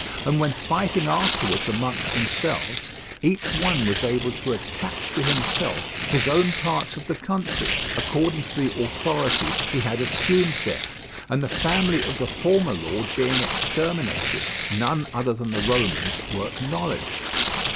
And when fighting afterwards amongst themselves, each one was able to attach to himself his own parts of the country, according to the authority he had assumed there; and the family of the former lord being exterminated, none other than the Romans were acknowledged.